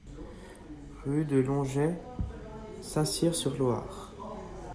Rue de Langeais, Saint-Cyr-sur-Loire